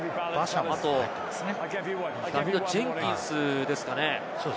ジェンキンスですかね？